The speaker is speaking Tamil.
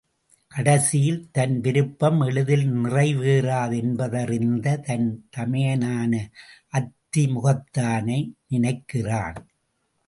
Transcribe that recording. கடைசியில் தன் விருப்பம் எளிதில் நிறைவேறாது என்பதறிந்து தன் தமையனான அத்தி முகத்தானை நினைக்கிறான்.